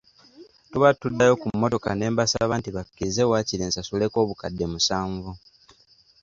Tuba tuddayo ku mmotoka ne mbasaba nti bakkirize waakiri nsasuleko obukadde musanvu.